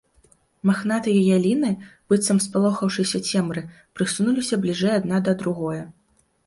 Махнатыя яліны, быццам спалохаўшыся цемры, прысунуліся бліжэй адна да другое.